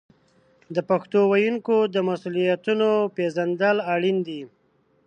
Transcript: د پښتو ویونکو د مسوولیتونو پیژندل اړین دي.